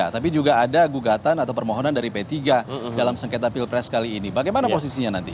tapi juga ada gugatan atau permohonan dari p tiga dalam sengketa pilpres kali ini bagaimana posisinya nanti